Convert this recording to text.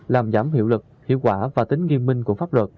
làm giảm hiệu lực hiệu quả và tính nghiêm minh của pháp luật